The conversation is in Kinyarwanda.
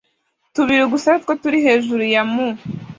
tubiri gusa aritwo turi hejuru ya mu